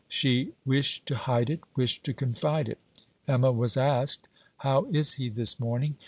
She wished to hide it, wished to confide it. Emma was asked: 'How is he this morning?'